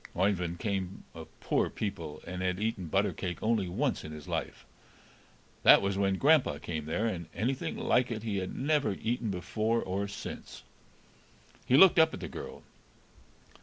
Oeyvind came of poor people, and had eaten butter cake only once in his life; that was when grandpa came there, and anything like it he had never eaten before or since. He looked up at the girl.